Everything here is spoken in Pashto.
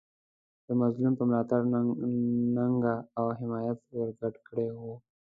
د مظلوم په ملاتړ ننګه او حمایه ورګډه کړې وه.